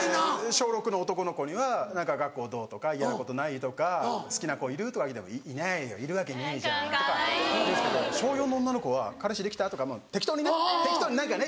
小６の男の子には何か「学校どう？」とか「嫌なことない？」とか「好きな子いる？」とか聞いても「いないよいるわけねえじゃん」とか言うんですけど小４の女の子は「彼氏できた？」とか適当にね適当に何かね